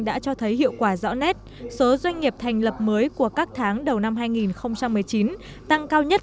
đã cho thấy hiệu quả rõ nét số doanh nghiệp thành lập mới của các tháng đầu năm hai nghìn một mươi chín tăng cao nhất